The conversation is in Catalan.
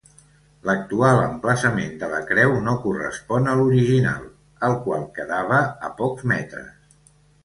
L'actual emplaçament de la creu no correspon a l'original, el qual quedava a pocs metres.